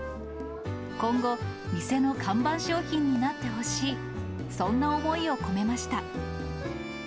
今後、店の看板商品になってほしい、そんな思いを込めました。